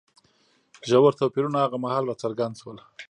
ژور توپیرونه هغه مهال راڅرګند شول